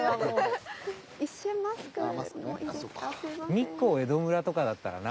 日光江戸村とかだったらな